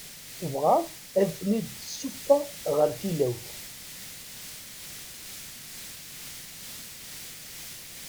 Tebɣa ad ten-id-tessuffeɣ ɣer tilawt.